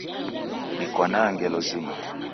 Dikwanaa ngelo zima